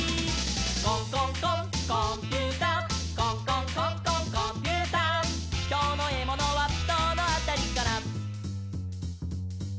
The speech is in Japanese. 「コンコンコンコンピューター」「コンコンコンコンコンピューター」「きょうのエモノはどのあたりかな」